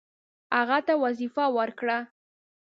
هغه ته وظیفه ورکړه.